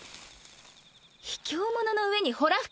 ひきょう者の上にほら吹き？